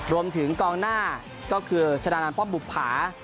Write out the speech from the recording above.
รวมถึงกองหน้าก็คือชนะนันป๊อปบุภา